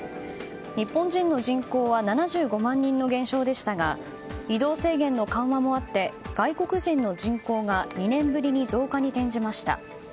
日本人の人口は７５万人の減少でしたが移動制限の緩和もあって外国人の人口が２年ぶりに増加に転じました。